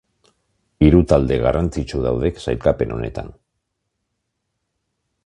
Hiru talde garrantzitsu daude sailkapen honetan.